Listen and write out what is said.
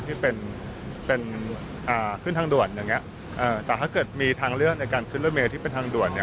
ที่เป็นเป็นอ่าขึ้นทางด่วนอย่างเงี้แต่ถ้าเกิดมีทางเลือกในการขึ้นรถเมย์ที่เป็นทางด่วนเนี่ย